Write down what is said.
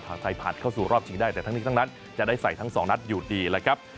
หากไทยผ่านเข้าสู่รอบชิงได้แต่ทั้งนี้ทั้งนั้นจะได้ใส่ทั้งสองนัดอยู่ดีแล้วครับ